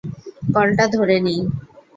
কলটা ধরে নেই।